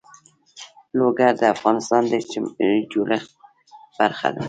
لوگر د افغانستان د اجتماعي جوړښت برخه ده.